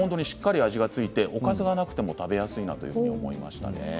しっかりと味が付いておかずがなくても食べやすいと思いました。